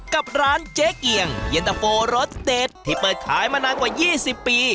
กับร้านเจ๊เกียงเย็นตะโฟรสเด็ดที่เปิดขายมานานกว่า๒๐ปี